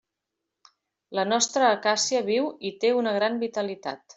La nostra acàcia viu i té una gran vitalitat.